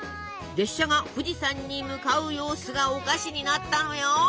列車が富士山に向かう様子がお菓子になったのよ！